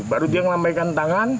baru dia melambaikan tangan